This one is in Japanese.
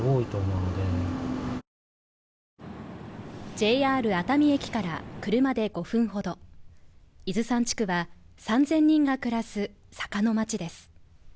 ＪＲ熱海駅から車で５分ほど伊豆山地区は３０００人が暮らす坂の町です。